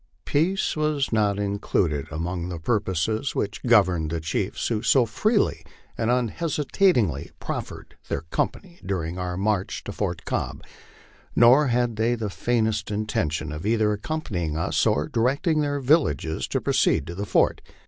Peace was not included among the purposes which governed the chiefs who so freely and unhesitatingly proffered their company during our march to 1 Fort Cobb. Nor had they the faintest intention of either accompanying us or directing their villages to proceed to the fort.